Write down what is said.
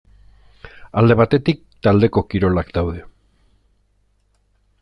Alde batetik taldeko kirolak daude.